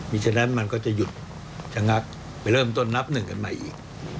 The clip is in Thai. มีฉะนั้นมันก็จะหยุดชะงักไปเริ่มต้นนับหนึ่งกันใหม่อีก